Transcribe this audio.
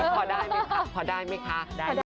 พอได้ไหมคะพอได้ไหมคะ